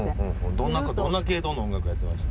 どんな系統の音楽やってました？